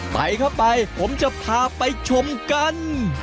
ไปเข้าไปผมจะพาไปชมกัน